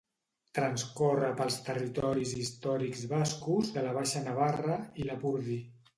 Transcorre pels territoris històrics bascos de la Baixa Navarra, i Lapurdi.